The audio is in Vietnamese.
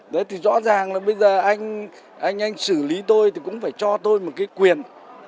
đấy thì rõ ràng là bây giờ anh anh xử lý tôi thì cũng phải cho tôi một cái quyền